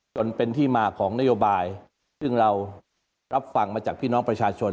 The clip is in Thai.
จนเป็นที่มาของนโยบายซึ่งเรารับฟังมาจากพี่น้องประชาชน